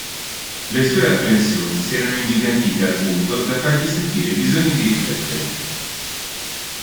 Le sue apprensioni s'erano ingigantite al punto, da fargli sentire il bisogno di riflettere.